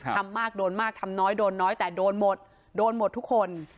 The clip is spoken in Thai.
ทำมากโดนมากทำน้อยโดนน้อยแต่โดนหมดโดนหมดทุกคน